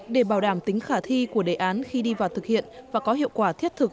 để bảo đảm tính khả thi của đề án khi đi vào thực hiện và có hiệu quả thiết thực